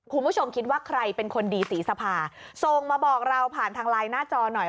คุณผู้ชมคิดว่าใครเป็นคนดีสีสภาส่งมาบอกเราผ่านทางไลน์หน้าจอหน่อย